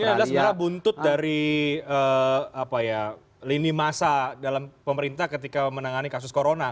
jadi ini adalah sebenarnya buntut dari apa ya lini masa dalam pemerintah ketika menangani kasus corona